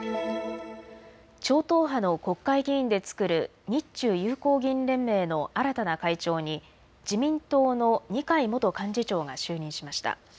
超党派の国会議員で作る日中友好議員連盟の新たな会長に自民党の二階元幹事長が就任しました。